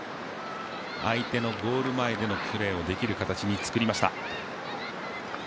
相手のゴール前でのプレーをできる形を作りました。